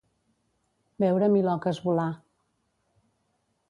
Veure miloques volar.